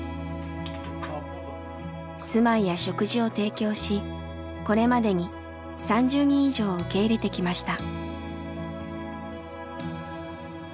住まいや食事を提供しこれまでに３０人以上を受け入れてきました。